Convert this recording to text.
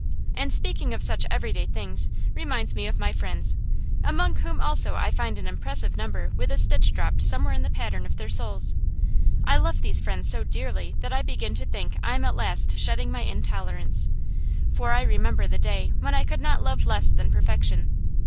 And speaking of such everyday things reminds me of my friends, among whom also I find an impressive number with a stitch dropped somewhere in the pattern of their souls. I love these friends so dearly that I begin to think I am at last shedding my intolerance; for I remember the day when I could not love less than perfection.